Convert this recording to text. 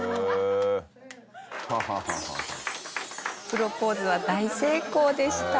プロポーズは大成功でした。